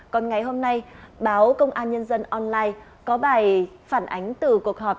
còn ngày hôm nay báo công an nhân dân online có bài phản ánh từ cuộc họp